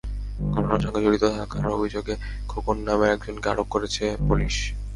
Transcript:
ঘটনার সঙ্গে জড়িত থাকার অভিযোগে খোকন নামের একজনকে আটক করেছে পুলিশ।